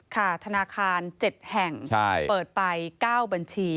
ธนาคาร๗แห่งเปิดไป๙บัญชี